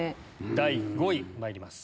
第５位まいります。